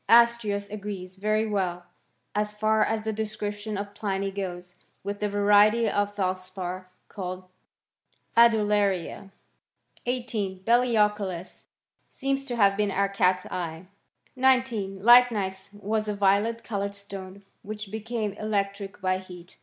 Astrios agrees very well, as far as the description • of Pliny goes, with the variety of telspar called mith laria. c* 18. Belioculus seems to have been our catseye. . 19. Lychnites was a violet coloured stone, wkirfl became electric by heat.